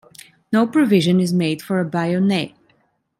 No provision is made for a bayonet.